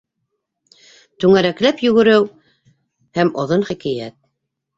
ТҮҢӘРӘКЛӘП ЙҮГЕРЕҮ ҺӘМ ОҘОН ХИКӘЙӘТ